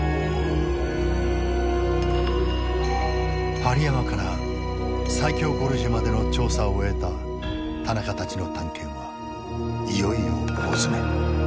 針山から最狭ゴルジュまでの調査を終えた田中たちの探検はいよいよ大詰め。